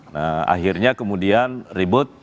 nah akhirnya kemudian ribut